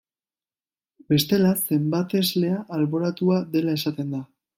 Bestela, zenbateslea alboratua dela esaten da.